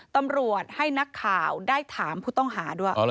ตำรวจให้นักข่าวได้ถามผู้ต้องหาด้วย